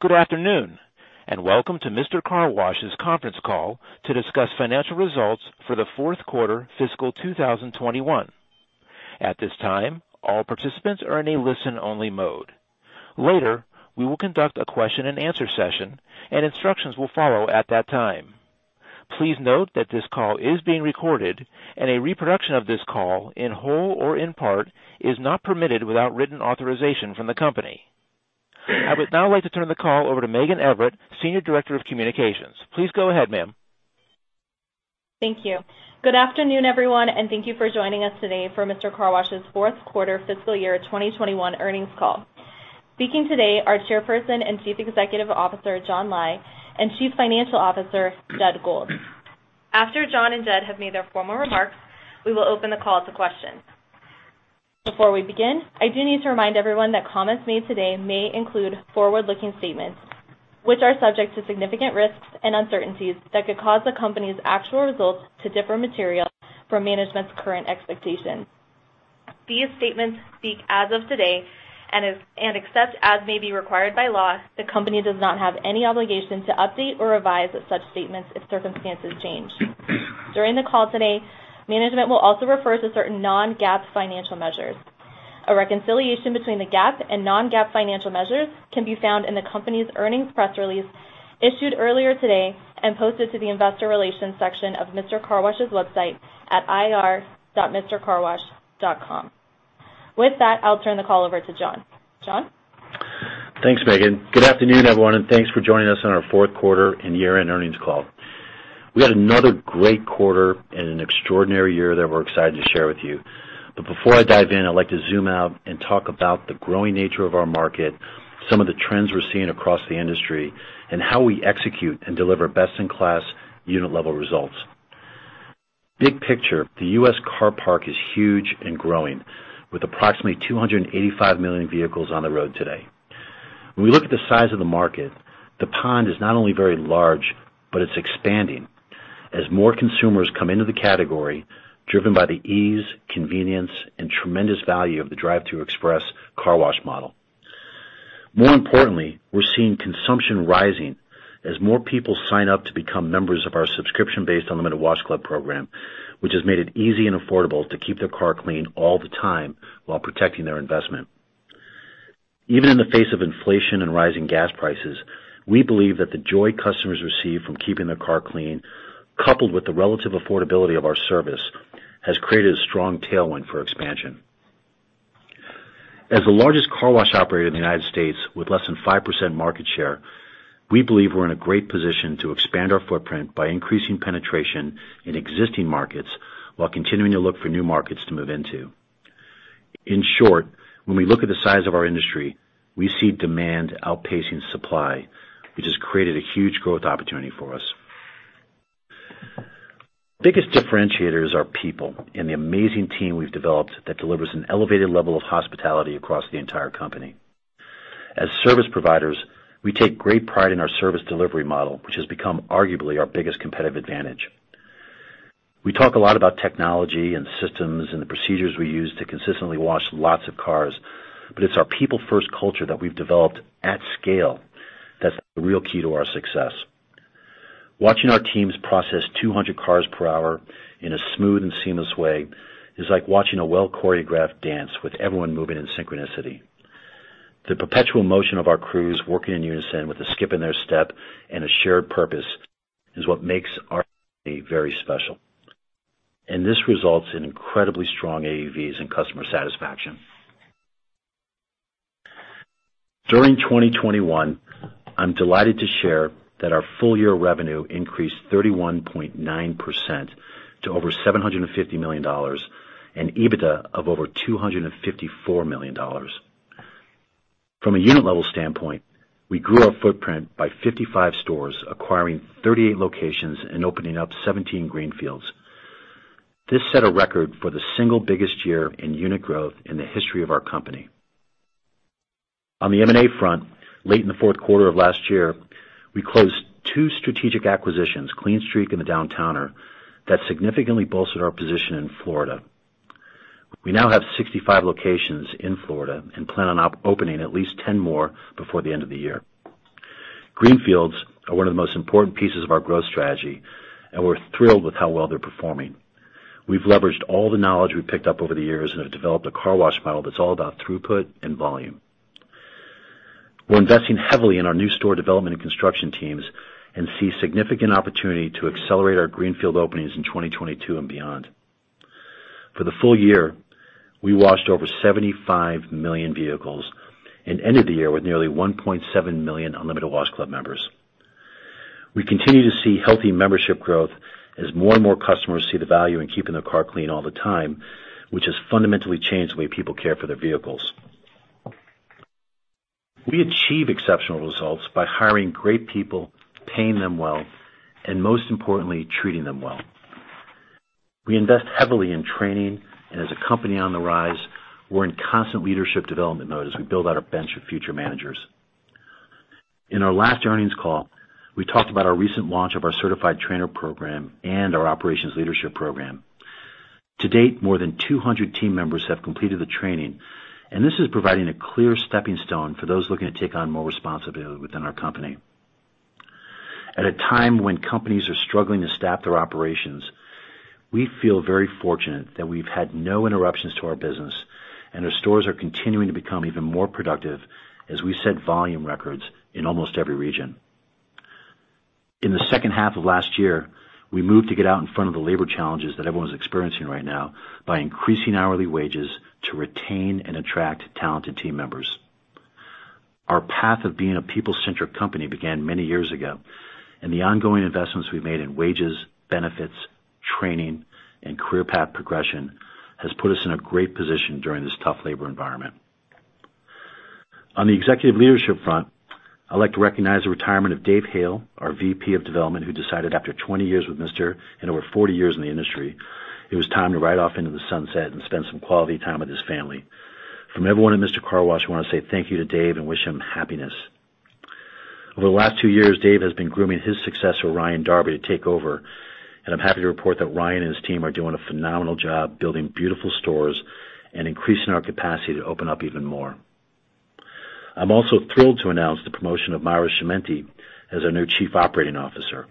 Good afternoon, and welcome to Mister Car Wash's conference call to discuss financial results for the Q4 fiscal 2021. At this time, all participants are in a listen-only mode. Later, we will conduct a question and answer session, and instructions will follow at that time. Please note that this call is being recorded, and a reproduction of this call, in whole or in part, is not permitted without written authorization from the company. I would now like to turn the call over to Megan Everett, Senior Director of Communications. Please go ahead, ma'am. Thank you. Good afternoon, everyone, and thank you for joining us today for Mister Car Wash's Q4 fiscal year 2021 earnings call. Speaking today are Chairperson and Chief Executive Officer, John Lai, and Chief Financial Officer, Jed Gold. After John and Jed have made their formal remarks, we will open the call to questions. Before we begin, I do need to remind everyone that comments made today may include forward-looking statements, which are subject to significant risks and uncertainties that could cause the company's actual results to differ materially from management's current expectations. These statements speak as of today, and except as may be required by law, the company does not have any obligation to update or revise such statements if circumstances change. During the call today, management will also refer to certain non-GAAP financial measures. A reconciliation between the GAAP and non-GAAP financial measures can be found in the company's earnings press release issued earlier today and posted to the investor relations section of Mister Car Wash's website at ir.mistercarwash.com. With that, I'll turn the call over to John. John? Thanks, Megan. Good afternoon, everyone, and thanks for joining us on our Q4 and year-end earnings call. We had another great quarter and an extraordinary year that we're excited to share with you. Before I dive in, I'd like to zoom out and talk about the growing nature of our market, some of the trends we're seeing across the industry, and how we execute and deliver best-in-class unit level results. Big picture, the U.S. car park is huge and growing, with approximately 285 million vehicles on the road today. When we look at the size of the market, the pond is not only very large, but it's expanding as more consumers come into the category, driven by the ease, convenience, and tremendous value of the drive-through express car wash model. More importantly, we're seeing consumption rising as more people sign up to become members of our subscription-based Unlimited Wash Club program, which has made it easy and affordable to keep their car clean all the time while protecting their investment. Even in the face of inflation and rising gas prices, we believe that the joy customers receive from keeping their car clean, coupled with the relative affordability of our service, has created a strong tailwind for expansion. As the largest car wash operator in the United States with less than 5% market share, we believe we're in a great position to expand our footprint by increasing penetration in existing markets while continuing to look for new markets to move into. In short, when we look at the size of our industry, we see demand outpacing supply, which has created a huge growth opportunity for us The biggest differentiator is our people and the amazing team we've developed that delivers an elevated level of hospitality across the entire company. As service providers, we take great pride in our service delivery model, which has become arguably our biggest competitive advantage. We talk a lot about technology and systems and the procedures we use to consistently wash lots of cars, but it's our people-first culture that we've developed at scale that's the real key to our success. Watching our teams process 200 cars per hour in a smooth and seamless way is like watching a well-choreographed dance with everyone moving in synchronicity. The perpetual motion of our crews working in unison with a skip in their step and a shared purpose is what makes our company very special. This results in incredibly strong AUVs and customer satisfaction. During 2021, I'm delighted to share that our full year revenue increased 31.9% to over $750 million and EBITDA of over $254 million. From a unit level standpoint, we grew our footprint by 55 stores, acquiring 38 locations and opening up 17 greenfields. This set a record for the single biggest year in unit growth in the history of our company. On the M&A front, late in the Q4 of last year, we closed two strategic acquisitions, Clean Streak and Downtowner Car Wash, that significantly bolstered our position in Florida. We now have 65 locations in Florida and plan on opening at least 10 more before the end of the year. Greenfields are one of the most important pieces of our growth strategy, and we're thrilled with how well they're performing. We've leveraged all the knowledge we picked up over the years and have developed a car wash model that's all about throughput and volume. We're investing heavily in our new store development and construction teams and see significant opportunity to accelerate our greenfield openings in 2022 and beyond. For the full year, we washed over 75 million vehicles and ended the year with nearly 1.7 million Unlimited Wash Club members. We continue to see healthy membership growth as more and more customers see the value in keeping their car clean all the time, which has fundamentally changed the way people care for their vehicles. We achieve exceptional results by hiring great people, paying them well, and most importantly, treating them well. We invest heavily in training, and as a company on the rise, we're in constant leadership development mode as we build out a bench of future managers. In our last earnings call, we talked about our recent launch of our certified trainer program and our operations leadership program. To date, more than 200 team members have completed the training, and this is providing a clear stepping stone for those looking to take on more responsibility within our company. At a time when companies are struggling to staff their operations, we feel very fortunate that we've had no interruptions to our business, and our stores are continuing to become even more productive as we set volume records in almost every region. In the second half of last year, we moved to get out in front of the labor challenges that everyone's experiencing right now by increasing hourly wages to retain and attract talented team members. Our path of being a people-centric company began many years ago, and the ongoing investments we've made in wages, benefits, training, and career path progression has put us in a great position during this tough labor environment. On the executive leadership front, I'd like to recognize the retirement of Dave Hale, our VP of Development, who decided after 20 years with Mister and over 40 years in the industry, it was time to ride off into the sunset and spend some quality time with his family. From everyone at Mister Car Wash, we want to say thank you to Dave and wish him happiness. Over the last two years, Dave has been grooming his successor, Ryan Darby, to take over, and I'm happy to report that Ryan and his team are doing a phenomenal job building beautiful stores and increasing our capacity to open up even more. I'm also thrilled to announce the promotion of Mayra Chimienti as our new Chief Operating Officer.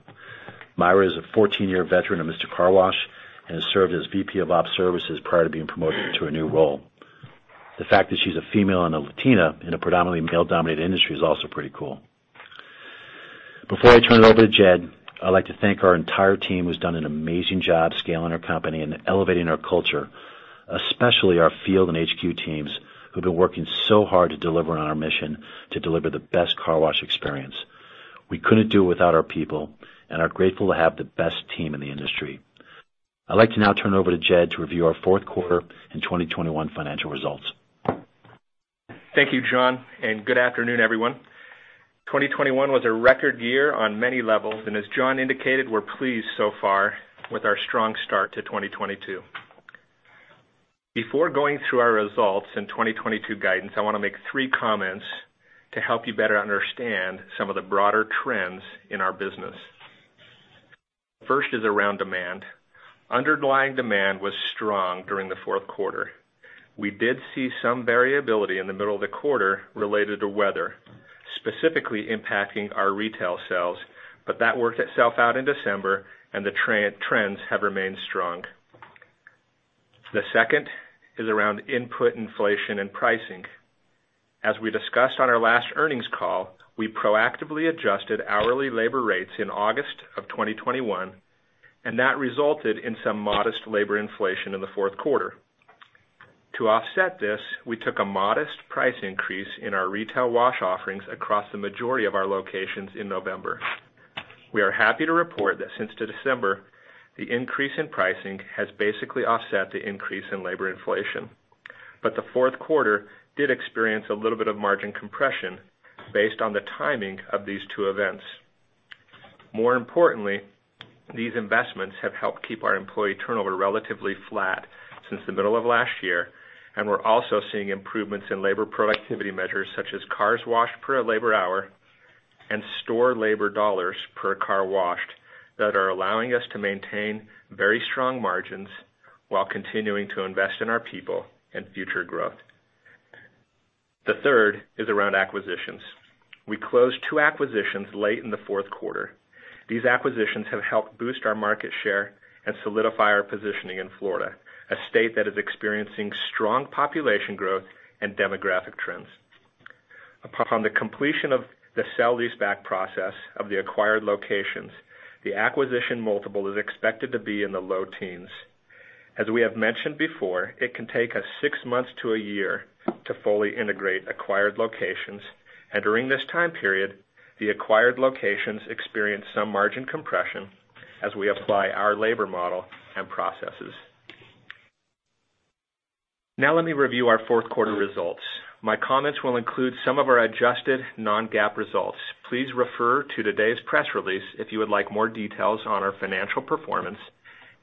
Mayra is a 14-year veteran of Mister Car Wash and has served as VP of operations services prior to being promoted to a new role. The fact that she's a female and a Latina in a predominantly male-dominated industry is also pretty cool. Before I turn it over to Jed, I'd like to thank our entire team who's done an amazing job scaling our company and elevating our culture, especially our field and HQ teams, who've been working so hard to deliver on our mission to deliver the best car wash experience. We couldn't do it without our people and are grateful to have the best team in the industry. I'd like to now turn it over to Jed to review our Q4 and 2021 financial results. Thank you, John, and good afternoon, everyone. 2021 was a record year on many levels, and as John indicated, we're pleased so far with our strong start to 2022. Before going through our results in 2022 guidance, I wanna make three comments to help you better understand some of the broader trends in our business. First is around demand. Underlying demand was strong during the Q4. We did see some variability in the middle of the quarter related to weather, specifically impacting our retail sales, but that worked itself out in December and the trends have remained strong. The second is around input inflation and pricing. As we discussed on our last earnings call, we proactively adjusted hourly labor rates in August of 2021, and that resulted in some modest labor inflation in the Q4. To offset this, we took a modest price increase in our retail wash offerings across the majority of our locations in November. We are happy to report that since December, the increase in pricing has basically offset the increase in labor inflation. The Q4 did experience a little bit of margin compression based on the timing of these two events. More importantly, these investments have helped keep our employee turnover relatively flat since the middle of last year, and we're also seeing improvements in labor productivity measures such as cars washed per labor hour and store labor dollars per car washed that are allowing us to maintain very strong margins while continuing to invest in our people and future growth. The third is around acquisitions. We closed two acquisitions late in the Q4. These acquisitions have helped boost our market share and solidify our positioning in Florida, a state that is experiencing strong population growth and demographic trends. Upon the completion of the sale-leaseback process of the acquired locations, the acquisition multiple is expected to be in the low teens. As we have mentioned before, it can take us six months to a year to fully integrate acquired locations. During this time period, the acquired locations experience some margin compression as we apply our labor model and processes. Now let me review our Q4 results. My comments will include some of our adjusted non-GAAP results. Please refer to today's press release if you would like more details on our financial performance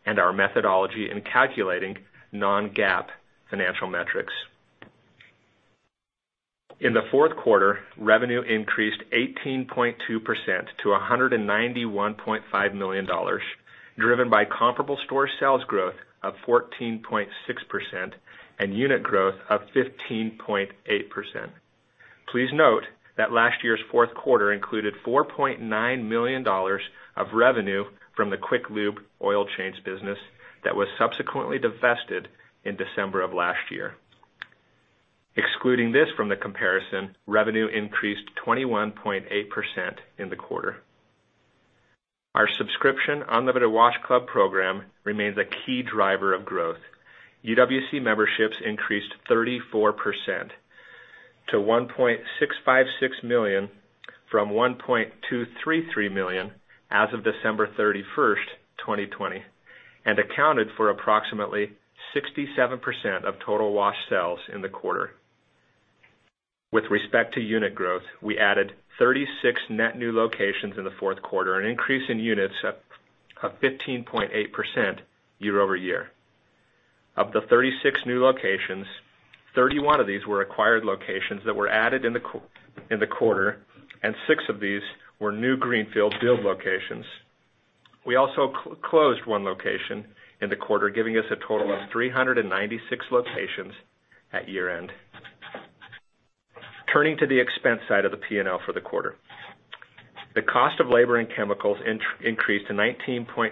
and our methodology in calculating non-GAAP financial metrics. In the Q4, revenue increased 18.2% to $191.5 million, driven by comparable store sales growth of 14.6% and unit growth of 15.8%. Please note that last year's Q4 included $4.9 million of revenue from the Quick Lube oil change business that was subsequently divested in December of last year. Excluding this from the comparison, revenue increased 21.8% in the quarter. Our subscription Unlimited Wash Club program remains a key driver of growth. UWC memberships increased 34% to 1.656 million, from 1.233 million as of December 31, 2020, and accounted for approximately 67% of total wash sales in the quarter. With respect to unit growth, we added 36 net new locations in the Q4, an increase in units of 15.8% year-over-year. Of the 36 new locations, 31 of these were acquired locations that were added in the quarter, and 6 of these were new greenfield build locations. We also closed one location in the quarter, giving us a total of 396 locations at year-end. Turning to the expense side of the P&L for the quarter. The cost of labor and chemicals increased from 19.2%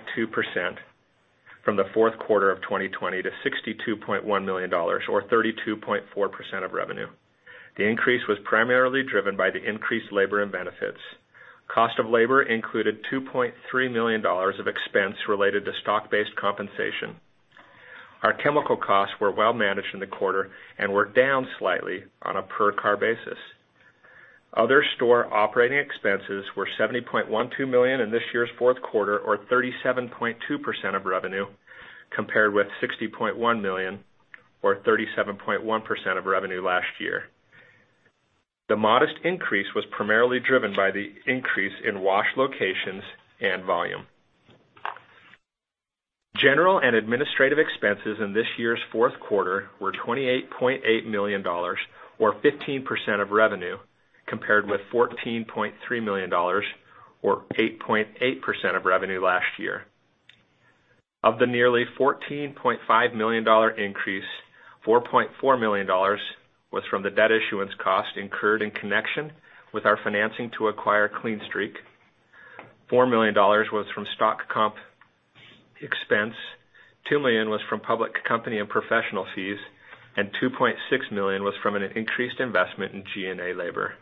in the Q4 of 2020 to $62.1 million, or 32.4% of revenue. The increase was primarily driven by the increased labor and benefits. Cost of labor included $2.3 million of expense related to stock-based compensation. Our chemical costs were well managed in the quarter and were down slightly on a per-car basis. Other store operating expenses were $71.2 million in this year's Q4 or 37.2% of revenue, compared with $60.1 million or 37.1% of revenue last year. The modest increase was primarily driven by the increase in wash locations and volume. General and administrative expenses in this year's Q4 were $28.8 million or 15% of revenue, compared with $14.3 million or 8.8% of revenue last year. Of the nearly $14.5 million increase, $4.4 million was from the debt issuance cost incurred in connection with our financing to acquire Clean Streak. $4 million was from stock comp expense. $2 million was from public company and professional fees, and $2.6 million was from an increased investment in G&A labor.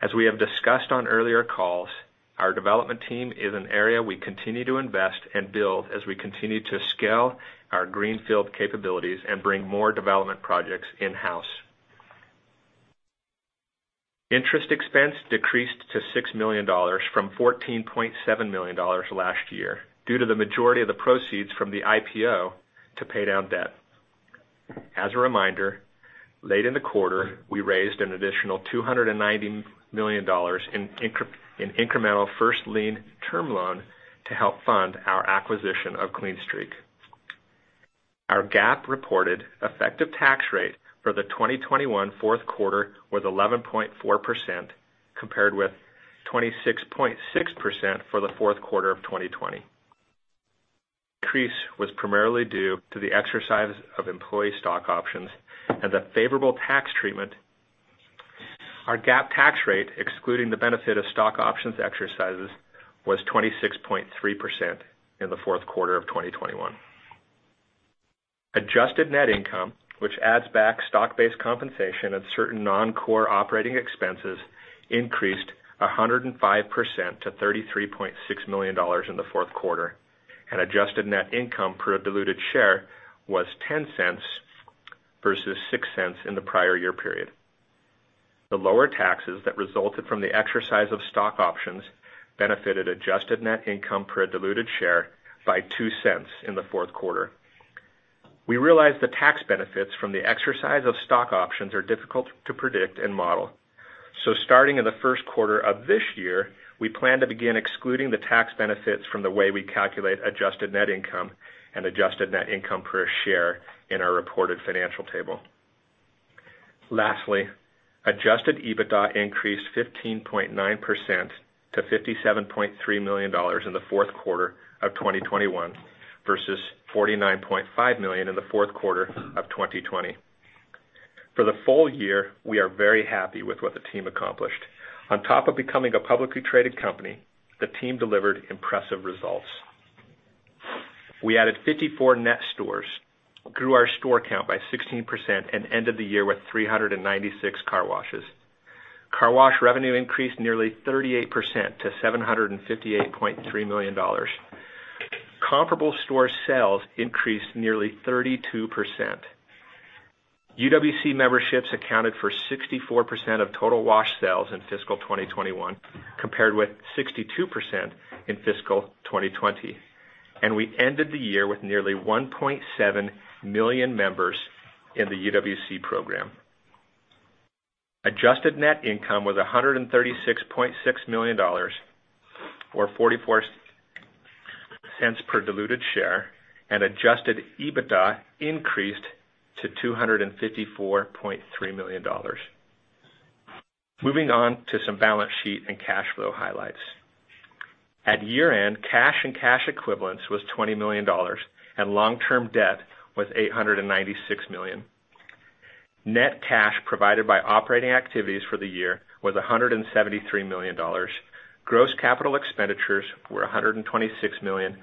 As we have discussed on earlier calls, our development team is an area we continue to invest and build as we continue to scale our greenfield capabilities and bring more development projects in-house. Interest expense decreased to $6 million from $14.7 million last year due to the majority of the proceeds from the IPO to pay down debt. As a reminder, late in the quarter, we raised an additional $290 million in incremental first lien term loan to help fund our acquisition of Clean Streak. Our GAAP reported effective tax rate for the 2021 Q4 was 11.4%, compared with 26.6% for the Q4 of 2020. increase was primarily due to the exercise of employee stock options and the favorable tax treatment. Our GAAP tax rate, excluding the benefit of stock options exercises, was 26.3% in the Q4 of 2021. Adjusted net income, which adds back stock-based compensation and certain non-core operating expenses, increased 105% to $33.6 million in the Q4, and adjusted net income per diluted share was $0.10 versus $0.06 in the prior year period. The lower taxes that resulted from the exercise of stock options benefited adjusted net income per diluted share by $0.02 in the Q4. We realized the tax benefits from the exercise of stock options are difficult to predict and model. Starting in the Q1 of this year, we plan to begin excluding the tax benefits from the way we calculate adjusted net income and adjusted net income per share in our reported financial table. Lastly, adjusted EBITDA increased 15.9% to $57.3 million in the Q4 of 2021 versus $49.5 million in the Q4 of 2020. For the full year, we are very happy with what the team accomplished. On top of becoming a publicly traded company, the team delivered impressive results. We added 54 net stores, grew our store count by 16%, and ended the year with 396 car washes. Car wash revenue increased nearly 38% to $758.3 million. Comparable store sales increased nearly 32%. UWC memberships accounted for 64% of total wash sales in fiscal 2021, compared with 62% in fiscal 2020, and we ended the year with nearly 1.7 million members in the UWC program. Adjusted net income was $136.6 million or $0.44 per diluted share, and adjusted EBITDA increased to $254.3 million. Moving on to some balance sheet and cash flow highlights. At year-end, cash and cash equivalents was $20 million, and long-term debt was $896 million. Net cash provided by operating activities for the year was $173 million. Gross capital expenditures were $126 million,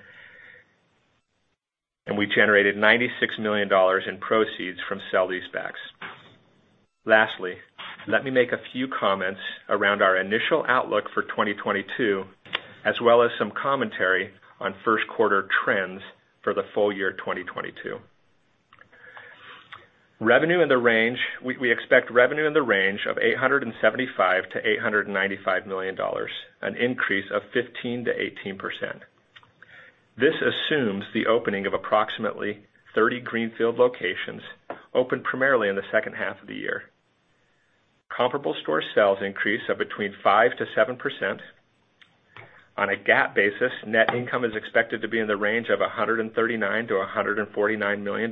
and we generated $96 million in proceeds from sale leasebacks. Lastly, let me make a few comments around our initial outlook for 2022, as well as some commentary on Q1 trends for the full year 2022. We expect revenue in the range of $875 million-$895 million, an increase of 15%-18%. This assumes the opening of approximately 30 greenfield locations, opened primarily in the second half of the year. Comparable store sales increase of between 5%-7%. On a GAAP basis, net income is expected to be in the range of $139 million-$149 million.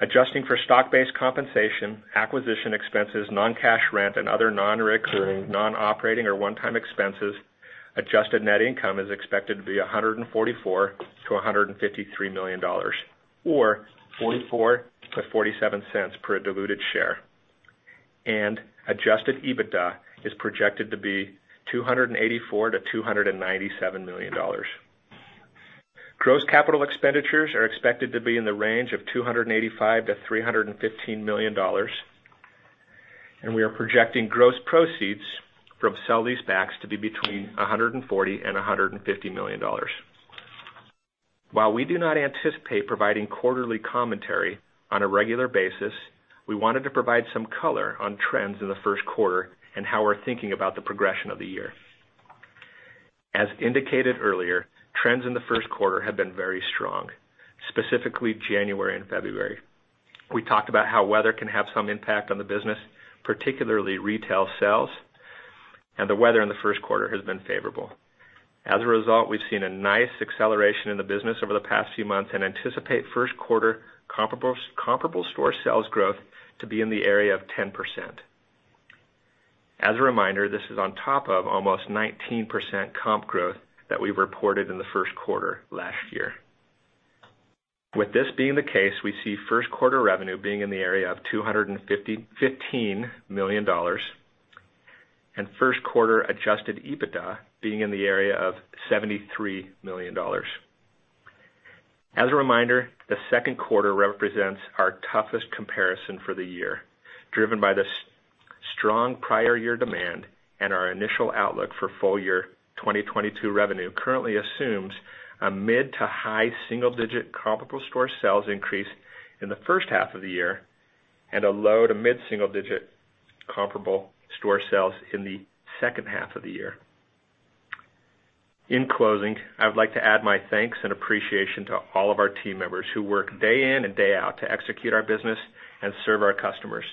Adjusting for stock-based compensation, acquisition expenses, non-cash rent and other non-recurring, non-operating or one-time expenses, adjusted net income is expected to be $144 million-$153 million or 44 cents-47 cents per diluted share. Adjusted EBITDA is projected to be $284 million-$297 million. Gross capital expenditures are expected to be in the range of $285 million-$315 million. We are projecting gross proceeds from sale-leasebacks to be between $140 million and $150 million. While we do not anticipate providing quarterly commentary on a regular basis, we wanted to provide some color on trends in the Q1 and how we're thinking about the progression of the year. As indicated earlier, trends in the Q1 have been very strong, specifically January and February. We talked about how weather can have some impact on the business, particularly retail sales, and the weather in the Q1 has been favorable. As a result, we've seen a nice acceleration in the business over the past few months and anticipate Q1 comparable store sales growth to be in the area of 10%. As a reminder, this is on top of almost 19% comp growth that we reported in the Q1 last year. With this being the case, we see Q1 revenue being in the area of $215 million, and Q1 adjusted EBITDA being in the area of $73 million. As a reminder, the Q2 represents our toughest comparison for the year, driven by the strong prior year demand and our initial outlook for full year 2022 revenue currently assumes a mid- to high-single-digit comparable store sales increase in the first half of the year and a low- to mid-single-digit comparable store sales in the second half of the year. In closing, I would like to add my thanks and appreciation to all of our team members who work day in and day out to execute our business and serve our customers.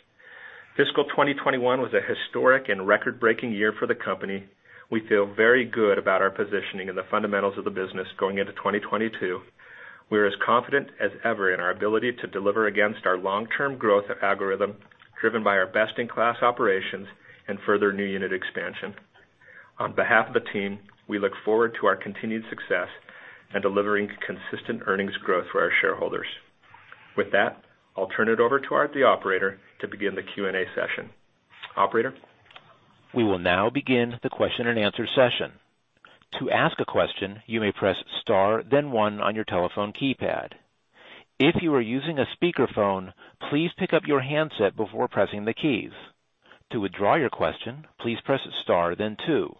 Fiscal 2021 was a historic and record-breaking year for the company. We feel very good about our positioning and the fundamentals of the business going into 2022. We're as confident as ever in our ability to deliver against our long-term growth algorithm driven by our best in class operations and further new unit expansion. On behalf of the team, we look forward to our continued success and delivering consistent earnings growth for our shareholders. With that, I'll turn it over to the operator to begin the Q&A session. Operator? We will now begin the question and answer session. To ask a question, you may press Star, then one on your telephone keypad. If you are using a speakerphone, please pick up your handset before pressing the keys. To withdraw your question, please press Star then two.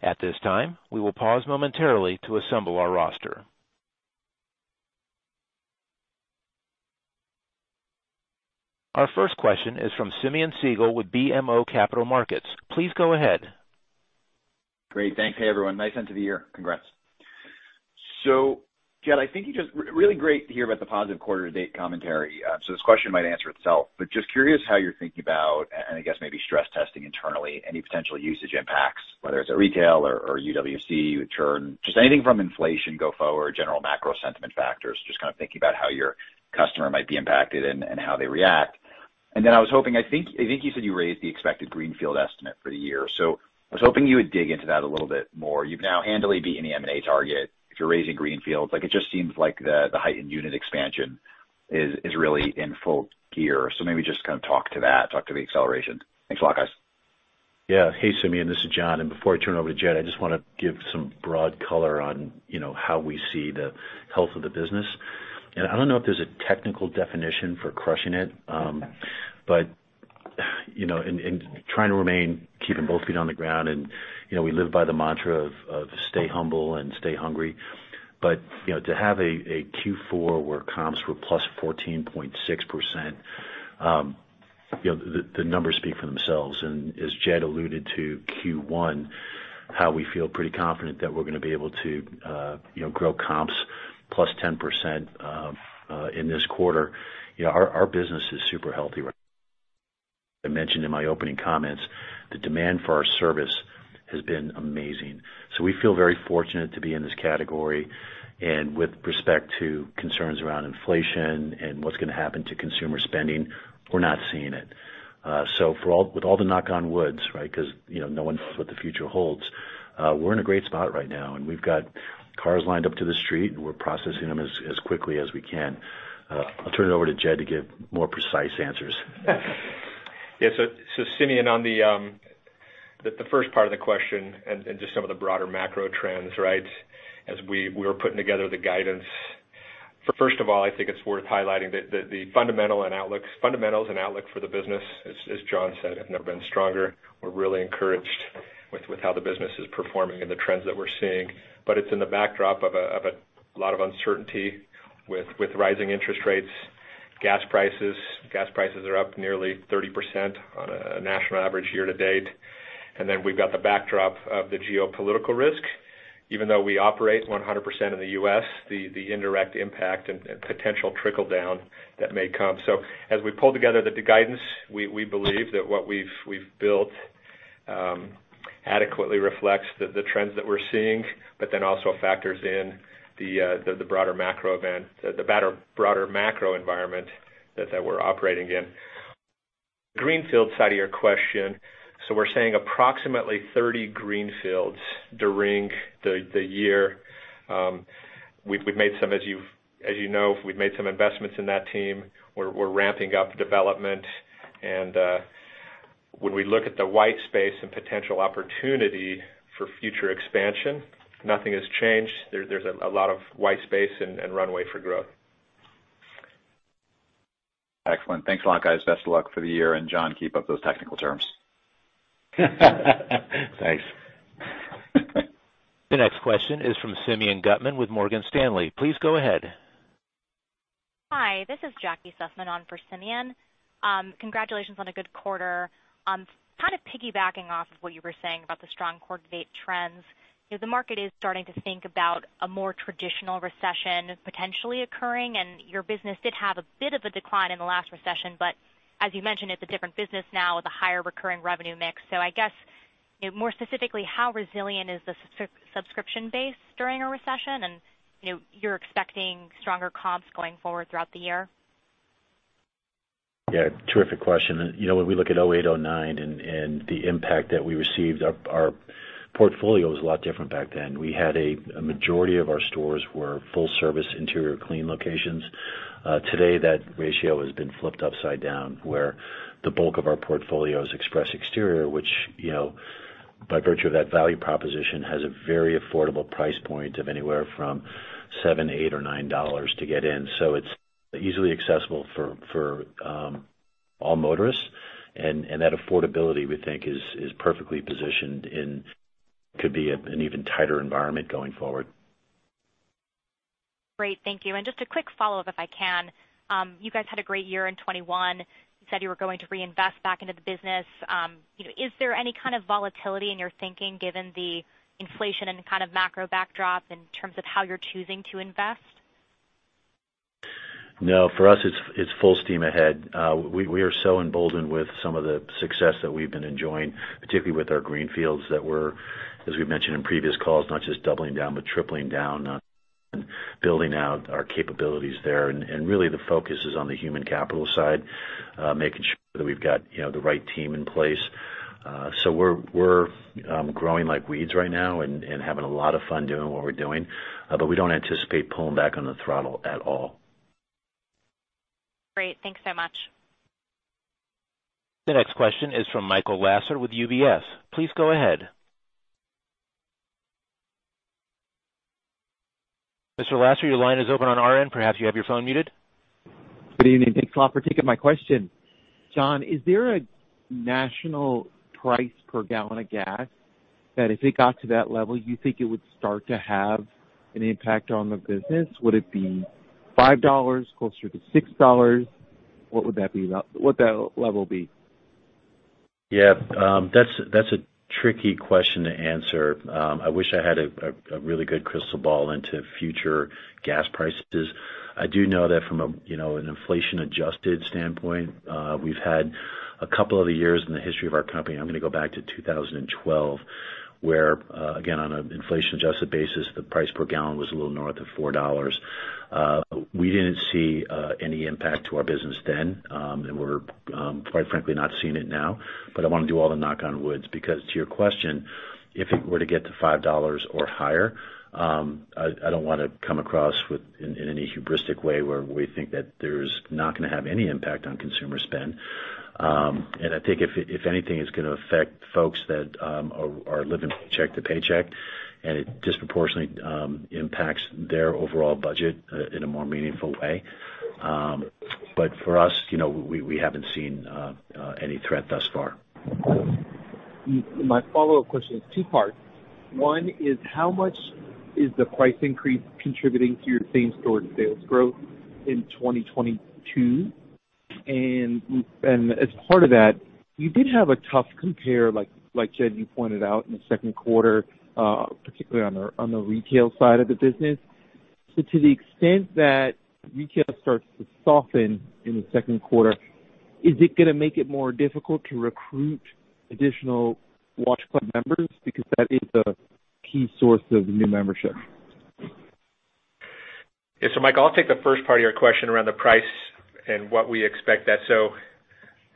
At this time, we will pause momentarily to assemble our roster. Our first question is from Simeon Siegel with BMO Capital Markets. Please go ahead. Great. Thanks. Hey, everyone. Nice end of the year. Congrats. So, Jed, I think really great to hear about the positive quarter to date commentary. So this question might answer itself, but just curious how you're thinking about, and I guess maybe stress testing internally, any potential usage impacts, whether it's at retail or UWC with churn. Just anything from inflation go forward, general macro sentiment factors, just kind of thinking about how your customer might be impacted and how they react. Then I was hoping I think you said you raised the expected Greenfield estimate for the year. So I was hoping you would dig into that a little bit more. You've now handily beaten the M&A target. If you're raising Greenfields, like, it just seems like the heightened unit expansion is really in full gear. Maybe just kind of talk to that, talk to the acceleration. Thanks a lot, guys. Yeah. Hey, Simeon, this is John. Before I turn it over to Jed, I just wanna give some broad color on, you know, how we see the health of the business. I don't know if there's a technical definition for crushing it, but, you know, and trying to remain keeping both feet on the ground. You know, we live by the mantra of stay humble and stay hungry. You know, to have a Q4 where comps were +14.6%, you know, the numbers speak for themselves. As Jed alluded to Q1, how we feel pretty confident that we're gonna be able to, you know, grow comps +10% in this quarter. You know, our business is super healthy, right. I mentioned in my opening comments, the demand for our service has been amazing. We feel very fortunate to be in this category. With respect to concerns around inflation and what's gonna happen to consumer spending, we're not seeing it. With all the knock on wood, right? Because, you know, no one knows what the future holds. We're in a great spot right now, and we've got cars lined up to the street, and we're processing them as quickly as we can. I'll turn it over to Jed to give more precise answers. Yeah. Simeon, on the first part of the question and just some of the broader macro trends, right? As we were putting together the guidance. First of all, I think it's worth highlighting that the fundamentals and outlook for the business, as John said, have never been stronger. We're really encouraged with how the business is performing and the trends that we're seeing. It's in the backdrop of a lot of uncertainty with rising interest rates, gas prices. Gas prices are up nearly 30% on a national average year to date. We've got the backdrop of the geopolitical risk. Even though we operate 100% in the U.S., the indirect impact and potential trickle down that may come. As we pull together the guidance, we believe that what we've built adequately reflects the trends that we're seeing, but then also factors in the broader macro environment that we're operating in. Greenfield side of your question, so we're saying approximately 30 greenfields during the year. We've made some investments in that team, as you know. We're ramping up development. When we look at the white space and potential opportunity for future expansion, nothing has changed. There's a lot of white space and runway for growth. Excellent. Thanks a lot, guys. Best of luck for the year. John, keep up those technical terms. Thanks. The next question is from Simeon Gutman with Morgan Stanley. Please go ahead. Hi, this is Jackie Sussman on for Simeon. Congratulations on a good quarter. Kind of piggybacking off of what you were saying about the strong quarter-to-date trends. You know, the market is starting to think about a more traditional recession potentially occurring, and your business did have a bit of a decline in the last recession. As you mentioned, it's a different business now with a higher recurring revenue mix. I guess, you know, more specifically, how resilient is the subscription base during a recession? And, you know, you're expecting stronger comps going forward throughout the year. Yeah. Terrific question. You know, when we look at 2008, 2009 and the impact that we received, our portfolio was a lot different back then. We had a majority of our stores were full service interior clean locations. Today, that ratio has been flipped upside down, where the bulk of our portfolio is express exterior, which, you know, by virtue of that value proposition, has a very affordable price point of anywhere from $7-$9 to get in. So it's easily accessible for all motorists. That affordability we think is perfectly positioned and could be an even tighter environment going forward. Great. Thank you. Just a quick follow-up, if I can. You guys had a great year in 2021. You said you were going to reinvest back into the business. You know, is there any kind of volatility in your thinking given the inflation and kind of macro backdrop in terms of how you're choosing to invest? No. For us, it's full steam ahead. We are so emboldened with some of the success that we've been enjoying, particularly with our green fields that we're, as we mentioned in previous calls, not just doubling down, but tripling down on building out our capabilities there. Really the focus is on the human capital side, making sure that we've got, you know, the right team in place. We're growing like weeds right now and having a lot of fun doing what we're doing, but we don't anticipate pulling back on the throttle at all. Great. Thanks so much. The next question is from Michael Lasser with UBS. Please go ahead. Mr. Lasser, your line is open on our end. Perhaps you have your phone muted. Good evening. Thanks a lot for taking my question. John, is there a national price per gallon of gas that if it got to that level, you think it would start to have an impact on the business? Would it be $5, closer to $6? What would that level be? Yeah. That's a tricky question to answer. I wish I had a really good crystal ball into future gas prices. I do know that from a you know an inflation-adjusted standpoint, we've had a couple other years in the history of our company. I'm gonna go back to 2012, where again on an inflation-adjusted basis, the price per gallon was a little north of $4. We didn't see any impact to our business then. We're quite frankly not seeing it now, but I wanna do all the knock on wood, because to your question, if it were to get to $5 or higher, I don't wanna come across within any hubristic way where we think that there's not gonna have any impact on consumer spend. I think if anything, it's gonna affect folks that are living paycheck to paycheck, and it disproportionately impacts their overall budget in a more meaningful way. For us, you know, we haven't seen any threat thus far. My follow-up question is two parts. One is how much is the price increase contributing to your same-store sales growth in 2022? As part of that, you did have a tough compare, like Jed, you pointed out in the Q2, particularly on the retail side of the business. To the extent that retail starts to soften in the Q2 is it gonna make it more difficult to recruit additional Wash Club members? Because that is a key source of new membership. Yeah. Michael, I'll take the first part of your question around the price and what we expect that.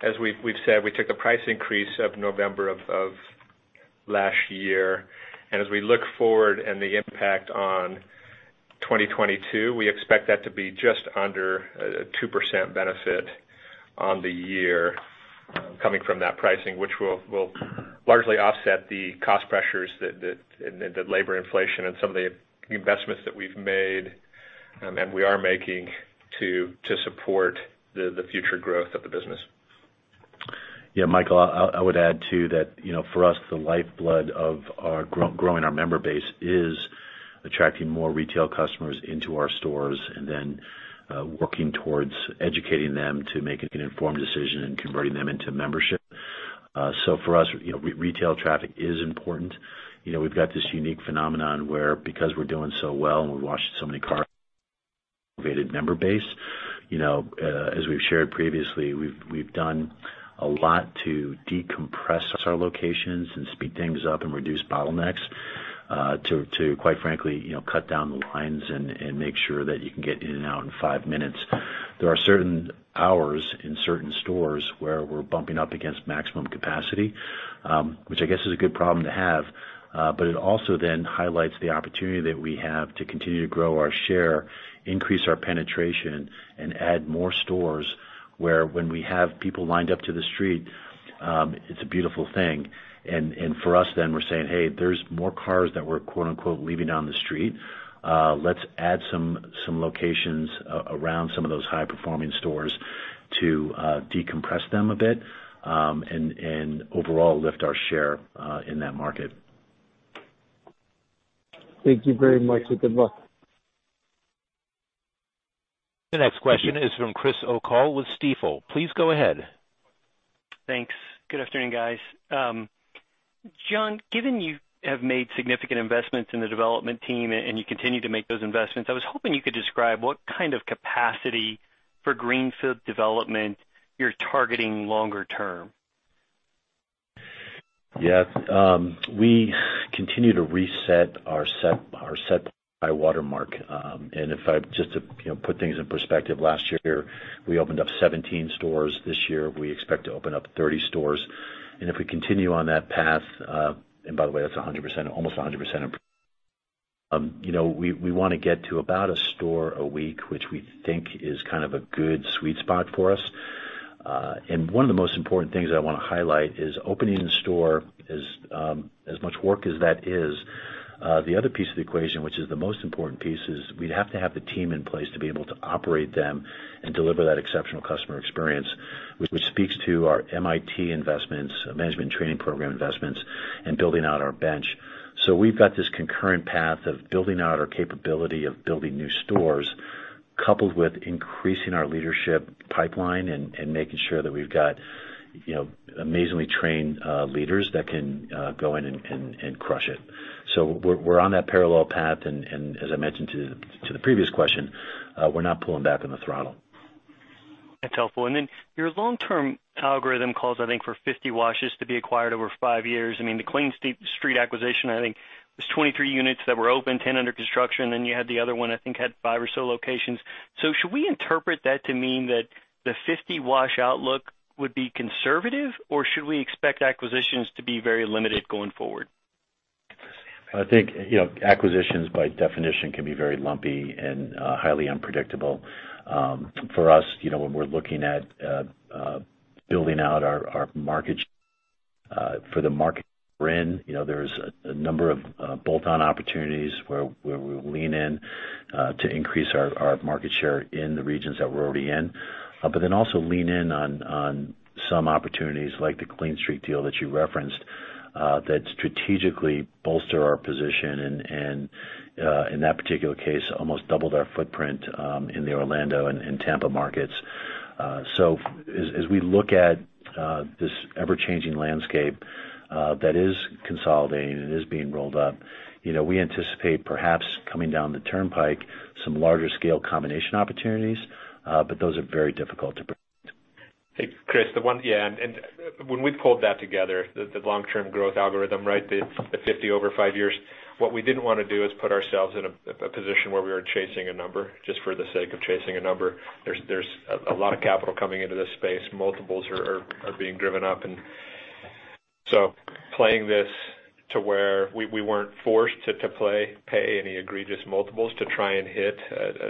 As we've said, we took a price increase of November of last year. As we look forward and the impact on 2022, we expect that to be just under a 2% benefit on the year coming from that pricing, which will largely offset the cost pressures that and the labor inflation and some of the investments that we've made, and we are making to support the future growth of the business. Yeah, Michael, I would add too that you know for us the lifeblood of our growing our member base is attracting more retail customers into our stores and then working towards educating them to make an informed decision and converting them into membership. So for us you know retail traffic is important. You know we've got this unique phenomenon where because we're doing so well and we're washing so many cars created member base. You know as we've shared previously we've done a lot to decompress our locations and speed things up and reduce bottlenecks to quite frankly you know cut down the lines and make sure that you can get in and out in five minutes. There are certain hours in certain stores where we're bumping up against maximum capacity which I guess is a good problem to have. It also then highlights the opportunity that we have to continue to grow our share, increase our penetration and add more stores where, when we have people lined up to the street, it's a beautiful thing. For us then we're saying, "Hey, there's more cars that we're quote-unquote, 'leaving on the street.' Let's add some locations around some of those high-performing stores to decompress them a bit, and overall lift our share in that market. Thank you very much, and good luck. The next question is from Chris O'Cull with Stifel. Please go ahead. Thanks. Good afternoon, guys. John, given you have made significant investments in the development team and you continue to make those investments, I was hoping you could describe what kind of capacity for greenfield development you're targeting longer term? Yeah. We continue to reset our set by watermark. If I just to, you know, put things in perspective, last year, we opened up 17 stores. This year, we expect to open up 30 stores. If we continue on that path, by the way, that's 100%, almost 100% improvement. You know, we wanna get to about a store a week, which we think is kind of a good sweet spot for us. One of the most important things I wanna highlight is opening the store is as much work as that is, the other piece of the equation, which is the most important piece, is we'd have to have the team in place to be able to operate them and deliver that exceptional customer experience, which speaks to our MIT investments, Management Training Program investments, and building out our bench. We've got this concurrent path of building out our capability of building new stores, coupled with increasing our leadership pipeline and making sure that we've got, you know, amazingly trained leaders that can go in and crush it. We're on that parallel path. As I mentioned to the previous question, we're not pulling back on the throttle. That's helpful. Your long-term algorithm calls, I think, for 50 washes to be acquired over five years. I mean, the Clean Streak acquisition, I think, was 23 units that were open, 10 under construction, then you had the other one, I think had five or so locations. Should we interpret that to mean that the 50 wash outlook would be conservative, or should we expect acquisitions to be very limited going forward? I think, you know, acquisitions by definition can be very lumpy and highly unpredictable. For us, you know, when we're looking at building out our market for the market we're in, you know, there's a number of bolt-on opportunities where we lean in to increase our market share in the regions that we're already in. Also lean in on some opportunities like the Clean Streak deal that you referenced that strategically bolster our position and in that particular case almost doubled our footprint in the Orlando and Tampa markets. As we look at this ever-changing landscape that is consolidating and is being rolled up, you know, we anticipate perhaps coming down the turnpike some larger scale combination opportunities, but those are very difficult to predict. Hey, Chris. Yeah, when we pulled that together, the long-term growth algorithm, right? The 50 over 5 years, what we didn't wanna do is put ourselves in a position where we were chasing a number just for the sake of chasing a number. There's a lot of capital coming into this space. Multiples are being driven up. Playing this to where we weren't forced to pay any egregious multiples to try and hit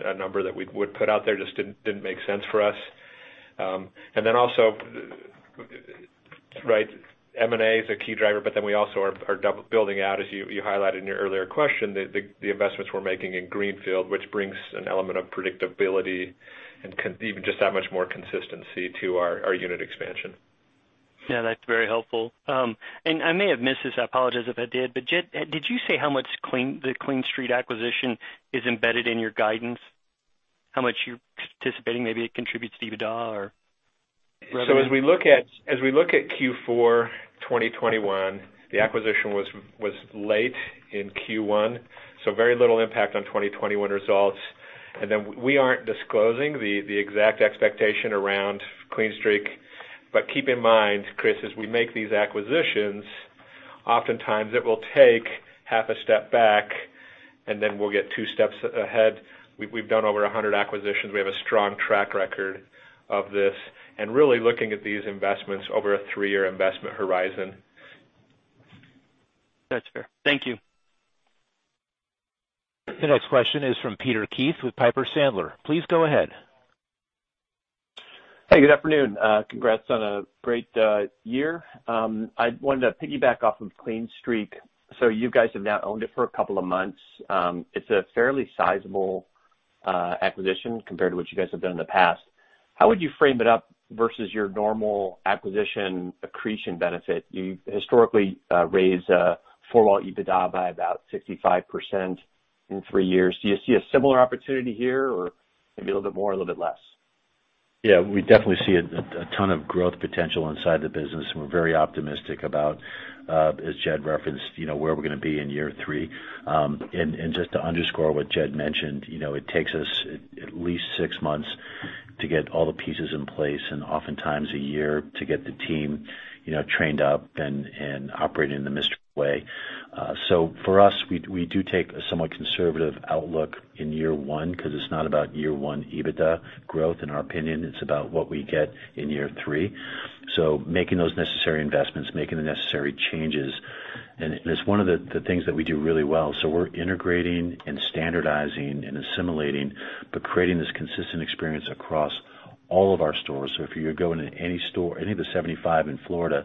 a number that we would put out there just didn't make sense for us. Right, M&A is a key driver, but we also are building out, as you highlighted in your earlier question, the investments we're making in greenfield, which brings an element of predictability and even just that much more consistency to our unit expansion. Yeah, that's very helpful. I may have missed this. I apologize if I did, but did you say how much the Clean Streak acquisition is embedded in your guidance? How much you're anticipating maybe it contributes to EBITDA or revenue? As we look at Q4 2021, the acquisition was late in Q1, so very little impact on 2021 results. We aren't disclosing the exact expectation around Clean Streak. Keep in mind, Chris, as we make these acquisitions, oftentimes it will take half a step back and then we'll get two steps ahead. We've done over 100 acquisitions. We have a strong track record of this and really looking at these investments over a three-year investment horizon. That's fair. Thank you. The next question is from Peter Keith with Piper Sandler. Please go ahead. Hey, good afternoon. Congrats on a great year. I wanted to piggyback off of Clean Streak. You guys have now owned it for a couple of months. It's a fairly sizable acquisition compared to what you guys have done in the past. How would you frame it up versus your normal acquisition accretion benefit? You historically raised EBITDA by about 65% in three years. Do you see a similar opportunity here, or Maybe a little bit more, a little bit less. Yeah, we definitely see a ton of growth potential inside the business, and we're very optimistic about, as Jed referenced, you know, where we're gonna be in year three. Just to underscore what Jed mentioned, you know, it takes us at least six months to get all the pieces in place and oftentimes a year to get the team, you know, trained up and operating in the Mr. way. For us, we do take a somewhat conservative outlook in year one 'cause it's not about year one EBITDA growth in our opinion, it's about what we get in year three. Making those necessary investments, making the necessary changes, and it's one of the things that we do really well. We're integrating and standardizing and assimilating, but creating this consistent experience across all of our stores. If you're going into any store, any of the 75 in Florida,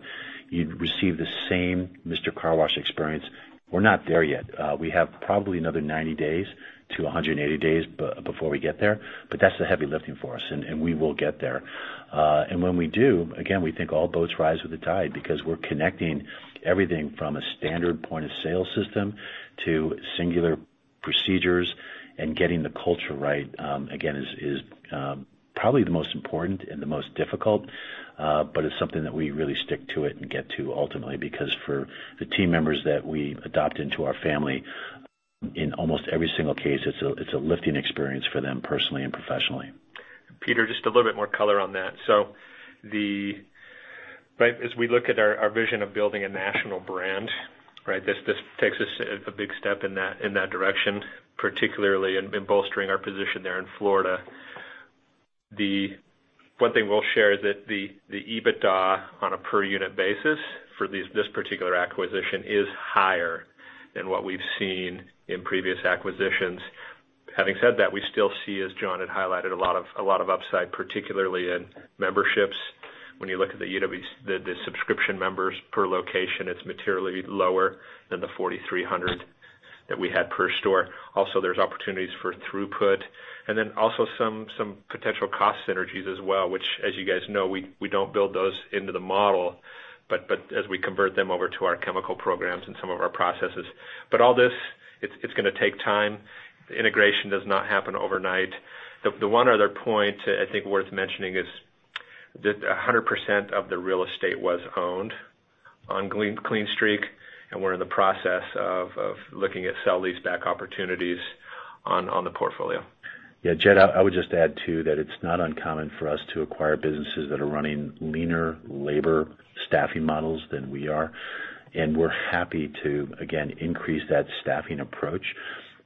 you'd receive the same Mister Car Wash experience. We're not there yet. We have probably another 90 days to 180 days before we get there, but that's the heavy lifting for us, and we will get there. When we do, again, we think all boats rise with the tide because we're connecting everything from a standard point of sale system to singular procedures and getting the culture right, again, is probably the most important and the most difficult, but it's something that we really stick to it and get to ultimately, because for the team members that we adopt into our family, in almost every single case, it's a lifting experience for them personally and professionally. Peter, just a little bit more color on that. Right as we look at our vision of building a national brand, right? This takes us a big step in that direction, particularly in bolstering our position there in Florida. The one thing we'll share is that the EBITDA on a per unit basis for this particular acquisition is higher than what we've seen in previous acquisitions. Having said that, we still see, as John had highlighted, a lot of upside, particularly in memberships. When you look at the UWC, the subscription members per location, it's materially lower than the 4,300 that we had per store. Also, there's opportunities for throughput and then also some potential cost synergies as well, which as you guys know, we don't build those into the model, but as we convert them over to our chemical programs and some of our processes. All this, it's gonna take time. Integration does not happen overnight. The one other point I think worth mentioning is that 100% of the real estate was owned on Clean Streak, and we're in the process of looking at sell lease back opportunities on the portfolio. Yeah, Jed, I would just add too that it's not uncommon for us to acquire businesses that are running leaner labor staffing models than we are, and we're happy to again increase that staffing approach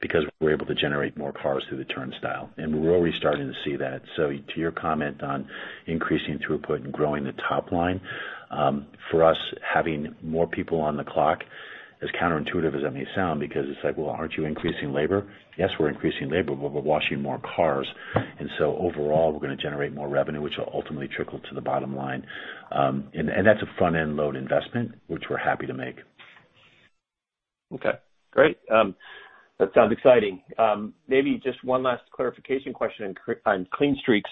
because we're able to generate more cars through the turnstile, and we're already starting to see that. To your comment on increasing throughput and growing the top line, for us, having more people on the clock, as counterintuitive as that may sound, because it's like, well, aren't you increasing labor? Yes, we're increasing labor, but we're washing more cars. Overall we're gonna generate more revenue, which will ultimately trickle to the bottom line. That's a front-end load investment, which we're happy to make. Okay, great. That sounds exciting. Maybe just one last clarification question on Clean Streak.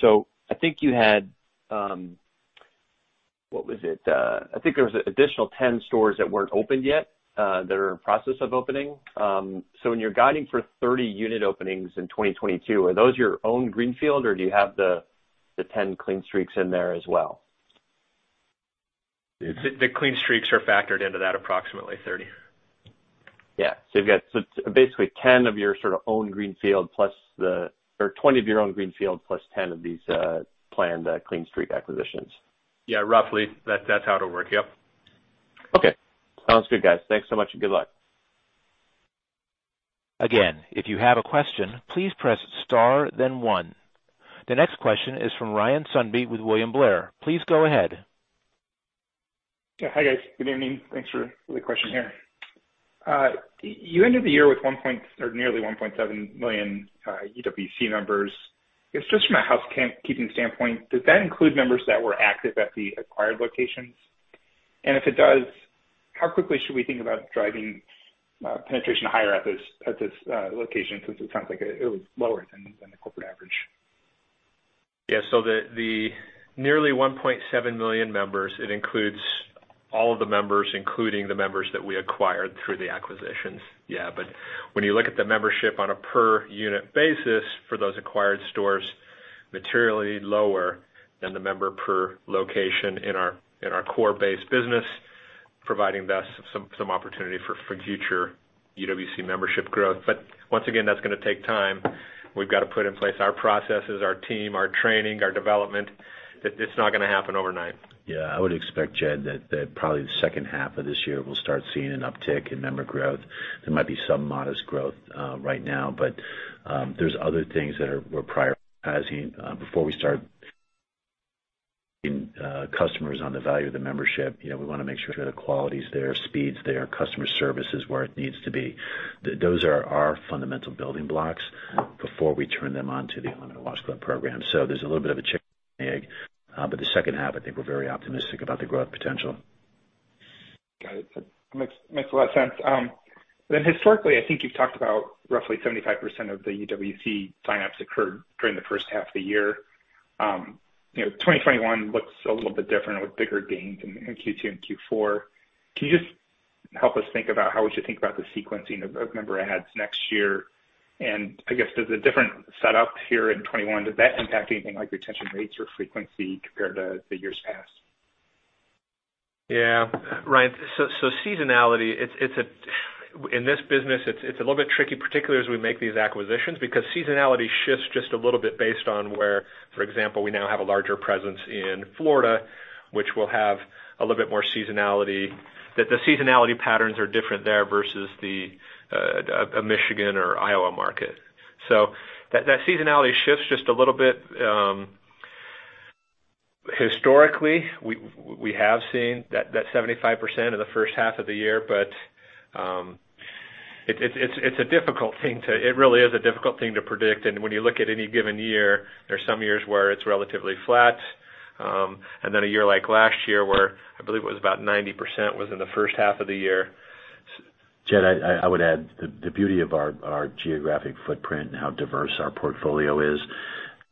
I think you had... What was it? I think there was additional 10 stores that weren't opened yet, that are in process of opening. When you're guiding for 30 unit openings in 2022, are those your own greenfield or do you have the 10 Clean Streaks in there as well? The Clean Streak are factored into that approximately 30. Yeah. You've got basically 20 of your own greenfield plus 10 of these planned Clean Streak acquisitions. Yeah, roughly. That, that's how it'll work. Yep. Okay. Sounds good, guys. Thanks so much and good luck. Again, if you have a question, please press star then one. The next question is from Ryan Sundby with William Blair. Please go ahead. Yeah. Hi guys. Good evening. Thanks for the question here. You ended the year with 1.0 or nearly 1.7 million UWC members. Just from a housekeeping standpoint, does that include members that were active at the acquired locations? If it does, how quickly should we think about driving penetration higher at this location? 'Cause it sounds like it was lower than the corporate average. Yeah. The nearly 1.7 million members, it includes all of the members, including the members that we acquired through the acquisitions. Yeah, when you look at the membership on a per unit basis for those acquired stores, materially lower than the member per location in our core base business, providing thus some opportunity for future UWC membership growth. Once again, that's gonna take time. We've got to put in place our processes, our team, our training, our development, that it's not gonna happen overnight. Yeah. I would expect, Jed, that probably the second half of this year we'll start seeing an uptick in member growth. There might be some modest growth right now, but there's other things that we're prioritizing before we start to turn customers on to the value of the membership. You know, we wanna make sure the quality is there, speed's there, customer service is where it needs to be. Those are our fundamental building blocks before we turn them on to the Unlimited Wash Club program. There's a little bit of a chicken and egg, but the second half, I think we're very optimistic about the growth potential. Got it. Makes a lot of sense. Then historically, I think you've talked about roughly 75% of the UWC sign-ups occurred during the first half of the year. You know, 2021 looks a little bit different with bigger gains in Q2 and Q4. Can you help us think about how we should think about the sequencing of number of adds next year. I guess there's a different setup here in 2021. Does that impact anything like retention rates or frequency compared to years past? Seasonality, it's a little bit tricky. In this business, it's a little bit tricky, particularly as we make these acquisitions, because seasonality shifts just a little bit based on where, for example, we now have a larger presence in Florida, which will have a little bit more seasonality, that the seasonality patterns are different there versus a Michigan or Iowa market. Seasonality shifts just a little bit. Historically, we have seen that 75% in the first half of the year, but it's a difficult thing to predict. It really is a difficult thing to predict. When you look at any given year, there's some years where it's relatively flat, and then a year like last year, where I believe it was about 90% within the first half of the year. Jed, I would add the beauty of our geographic footprint and how diverse our portfolio is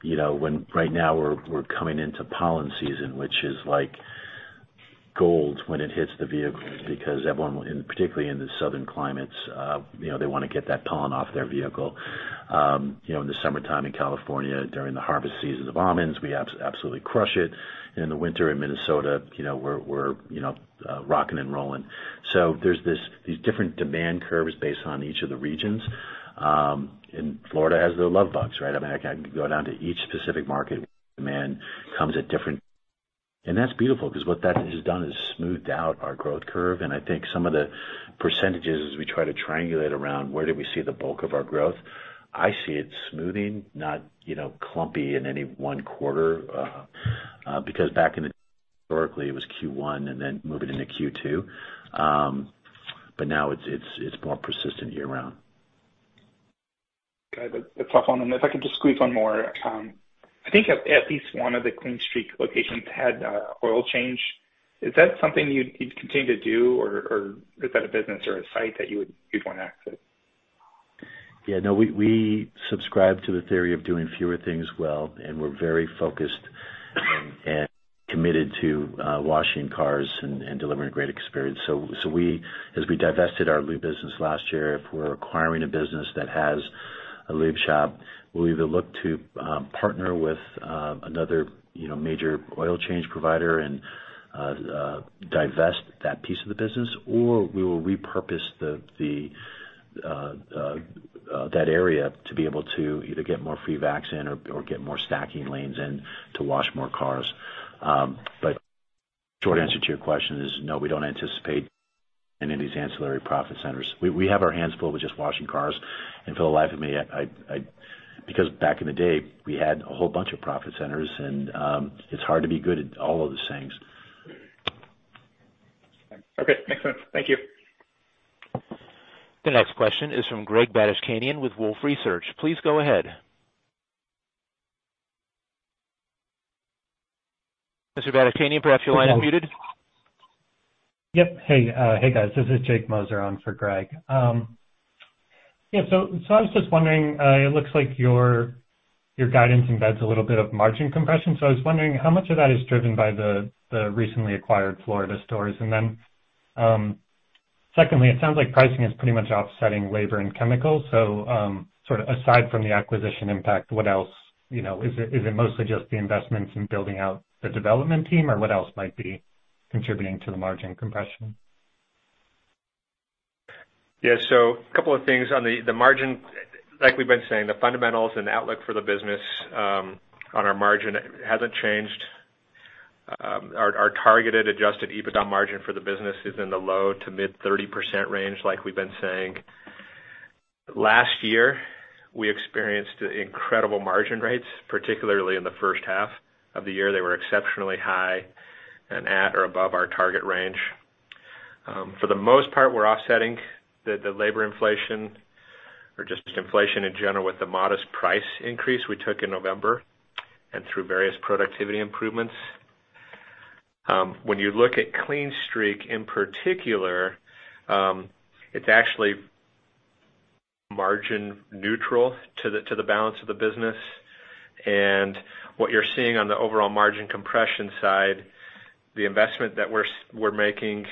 when right now we're coming into pollen season, which is like gold when it hits the vehicles because everyone, and particularly in the southern climates, they wanna get that pollen off their vehicle. In the summertime in California, during the harvest seasons of almonds, we absolutely crush it. In the winter in Minnesota, we're rocking and rolling. There's these different demand curves based on each of the regions. Florida has the love bugs, right? I mean, I can go down to each specific market, demand comes at different. That's beautiful because what that has done is smoothed out our growth curve. I think some of the percentages as we try to triangulate around where do we see the bulk of our growth, I see it smoothing, not, you know, clumpy in any one quarter, because back in the day, historically, it was Q1 and then moving into Q2. Now it's more persistent year-round. Got it. That's a tough one. If I could just squeeze one more. I think at least one of the Clean Streak locations had oil change. Is that something you'd continue to do, or is that a business or a site that you would give one exit? Yeah, no, we subscribe to the theory of doing fewer things well, and we're very focused and committed to washing cars and delivering a great experience. We, as we divested our lube business last year, if we're acquiring a business that has a lube shop, we'll either look to partner with another, you know, major oil change provider and divest that piece of the business, or we will repurpose that area to be able to either get more free vacs in or get more stacking lanes in to wash more cars. Short answer to your question is no, we don't anticipate any of these ancillary profit centers. We have our hands full with just washing cars. For the life of me, because back in the day, we had a whole bunch of profit centers, and it's hard to be good at all of those things. Okay, makes sense. Thank you. The next question is from Greg Badishkanian with Wolfe Research. Please go ahead. Mr. Badishkanian, perhaps your line is muted. Yep. Hey, guys, this is Jake Moser on for Greg. Yeah, so I was just wondering, it looks like your guidance embeds a little bit of margin compression. So I was wondering how much of that is driven by the recently acquired Florida stores. Then, secondly, it sounds like pricing is pretty much offsetting labor and chemicals, so sort of aside from the acquisition impact, what else? You know, is it mostly just the investments in building out the development team, or what else might be contributing to the margin compression? Yeah. A couple of things on the margin. Like we've been saying, the fundamentals and outlook for the business on our margin hasn't changed. Our targeted adjusted EBITDA margin for the business is in the low- to mid-30% range, like we've been saying. Last year, we experienced incredible margin rates, particularly in the first half of the year. They were exceptionally high and at or above our target range. For the most part, we're offsetting the labor inflation or just inflation in general with the modest price increase we took in November and through various productivity improvements. When you look at Clean Streak in particular, it's actually margin neutral to the balance of the business. What you're seeing on the overall margin compression side, the investment that we're making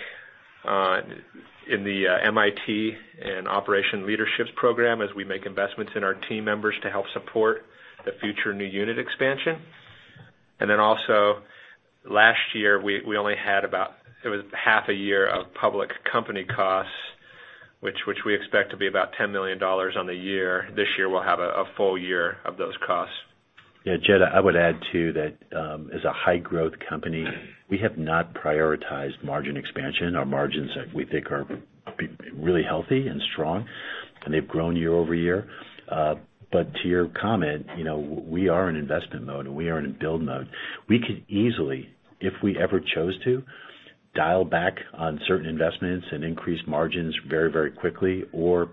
in the MIT and Operations Leadership program as we make investments in our team members to help support the future new unit expansion. Then also last year, we only had about half a year of public company costs, which we expect to be about $10 million for the year. This year, we'll have a full year of those costs. Yeah. Jed, I would add, too, that as a high-growth company, we have not prioritized margin expansion. Our margins, we think are really healthy and strong, and they've grown year over year. To your comment, you know, we are in investment mode, and we are in build mode. We could easily, if we ever chose to, dial back on certain investments and increase margins very, very quickly or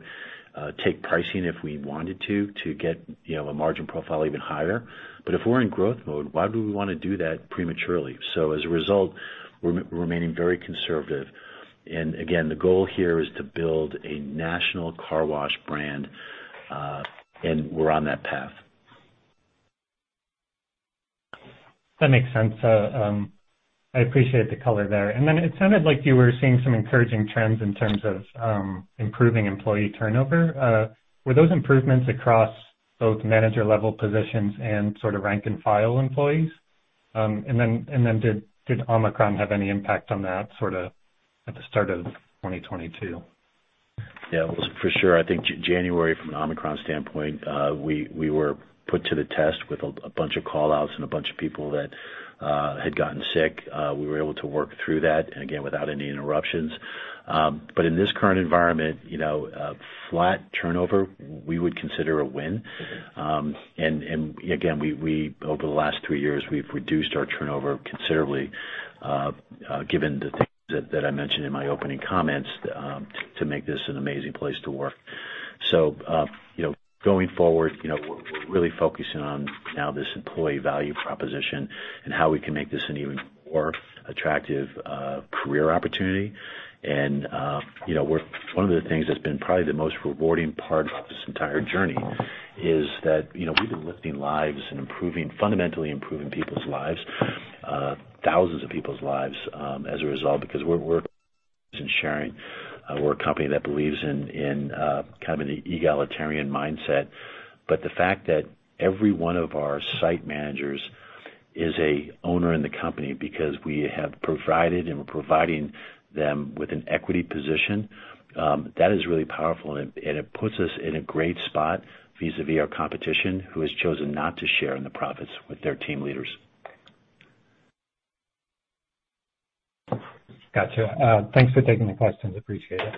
take pricing if we wanted to get, you know, a margin profile even higher. If we're in growth mode, why would we wanna do that prematurely? As a result, we're remaining very conservative. Again, the goal here is to build a national car wash brand, and we're on that path. That makes sense. I appreciate the color there. It sounded like you were seeing some encouraging trends in terms of improving employee turnover. Were those improvements across both manager-level positions and sort of rank-and-file employees? Did Omicron have any impact on that sort of at the start of 2022? Yeah, for sure. I think January from an Omicron standpoint, we were put to the test with a bunch of call-outs and a bunch of people that had gotten sick. We were able to work through that, and again, without any interruptions. In this current environment, you know, flat turnover we would consider a win. Again, over the last three years, we've reduced our turnover considerably, given the things that I mentioned in my opening comments, to make this an amazing place to work. Going forward, you know, we're really focusing on now this employee value proposition and how we can make this an even more attractive career opportunity. You know, one of the things that's been probably the most rewarding part of this entire journey is that, you know, we've been lifting lives and improving, fundamentally improving people's lives, thousands of people's lives, as a result. Because we're sharing, we're a company that believes in kind of an egalitarian mindset. But the fact that every one of our site managers is an owner in the company because we have provided and we're providing them with an equity position, that is really powerful. It puts us in a great spot vis-à-vis our competition, who has chosen not to share in the profits with their team leaders. Gotcha. Thanks for taking the questions. Appreciate it.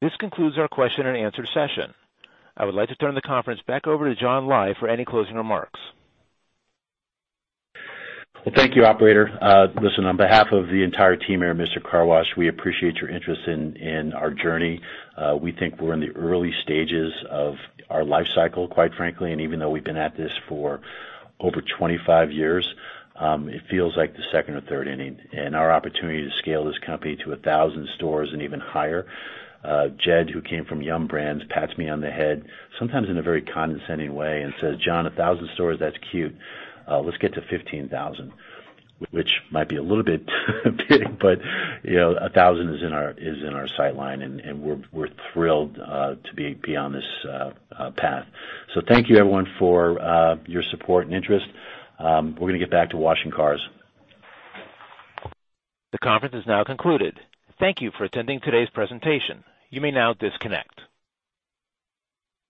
This concludes our question and answer session. I would like to turn the conference back over to John Lai for any closing remarks. Well, thank you, operator. Listen, on behalf of the entire team here at Mister Car Wash, we appreciate your interest in our journey. We think we're in the early stages of our life cycle, quite frankly. Even though we've been at this for over 25 years, it feels like the second or third inning and our opportunity to scale this company to 1,000 stores and even higher. Jed, who came from Yum! Brands, pats me on the head sometimes in a very condescending way and says, "John, 1,000 stores? That's cute. Let's get to 15,000." Which might be a little bit big, but, you know, 1,000 is in our sight line, and we're thrilled to be on this path. Thank you everyone for your support and interest. We're gonna get back to washing cars. The conference is now concluded. Thank you for attending today's presentation. You may now disconnect.